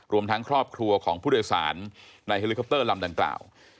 รวมทั้งครอบครัวของผู้โดยสารในเฮลิคอปเตอร์ลำดังกล่าว